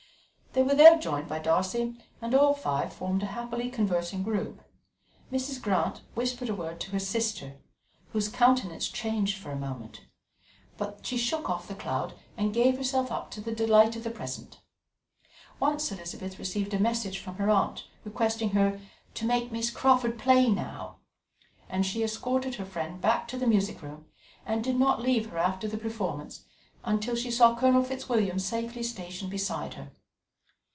They were there joined by Darcy, and all five formed a happily conversing group. Mrs. Grant whispered a word to her sister, whose countenance changed for a moment; but she shook off the cloud and gave herself up to the delight of the present. Once Elizabeth received a message from her aunt requesting her to "make Miss Crawford play now," and she escorted her friend back to the music room and did not leave her after the performance until she saw Colonel Fitzwilliam safely stationed beside her.